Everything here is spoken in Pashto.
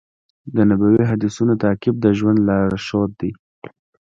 د نبوي حدیثونو تعقیب د ژوند لارښود دی.